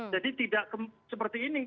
jadi tidak seperti ini